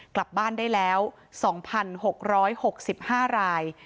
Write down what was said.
กลับบ้านได้แล้ว๒๖๖๕ราย